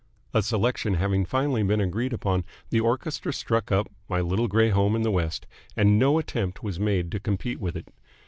A selection having finally been agreed upon, the orchestra struck up "My Little Grey Home in the West," and no attempt was made to compete with it.